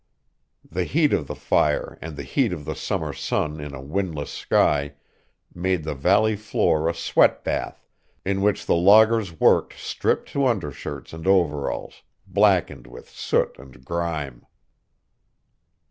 The heat of the fire and the heat of the summer sun in a windless sky made the valley floor a sweat bath in which the loggers worked stripped to undershirts and overalls, blackened with soot and grime.